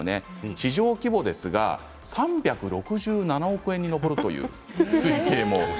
市場規模は３６７億円に上るという推計もあります。